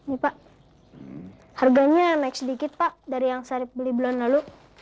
ini pak harganya naik sedikit pak dari yang saya beli bulan lalu